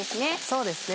そうですね。